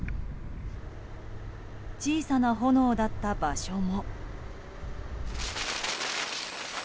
小さな炎だった場所も。